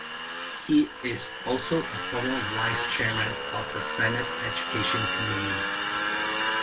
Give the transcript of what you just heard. He is also a former Vice Chairman of the Senate Education Committee.